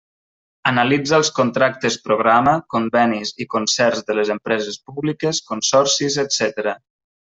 Analitza els contractes-programa, convenis i concerts de les empreses públiques, consorcis, etcètera.